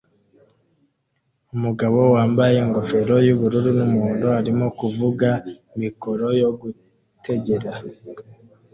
Umugabo wambaye ingofero yubururu numuhondo arimo kuvuga mikoro yo gutegera